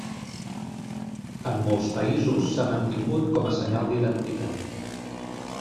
En molts països s'ha mantingut com a senyal d'identitat.